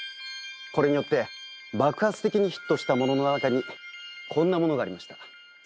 これによって爆発的にヒットしたものの中にこんなものがありました。